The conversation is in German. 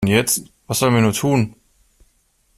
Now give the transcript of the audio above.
Und jetzt, was sollen wir nur tun?